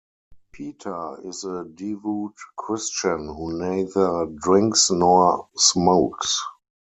Peter is a devout Christian who neither drinks nor smokes.